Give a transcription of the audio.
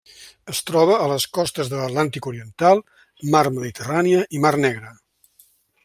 Es troba a les costes de l'Atlàntic oriental, Mar Mediterrània i Mar Negra.